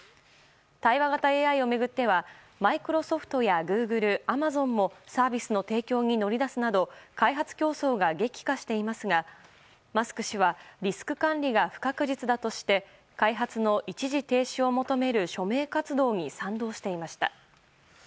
対話型ＡＩを巡ってはマイクロソフトやグーグルアマゾンもサービスの提供に乗り出すなど開発競争が激化していますがマスク氏はリスク管理が不確実だとして開発の一時停止を求める署名活動に賛同していました。